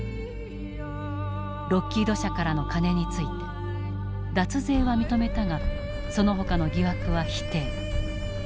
ロッキード社からの金について脱税は認めたがそのほかの疑惑は否定。